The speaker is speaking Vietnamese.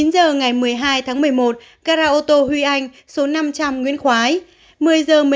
chín h ngày một mươi hai tháng một mươi một gara ô tô huy anh số năm trăm linh nguyễn khoái